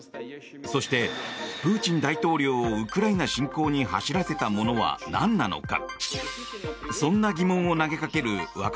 そしてプーチン大統領をウクライナ侵攻に走らせたものはなんなのか。